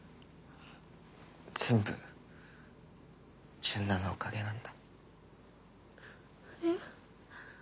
全部純奈のおかげなんだ。えっ？